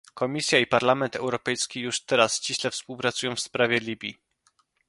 Komisja i Parlament Europejski już teraz ściśle współpracują w sprawie Libii